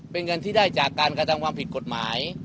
เป็นเงินที่ได้จากการกระทำความผิดกฎหมาย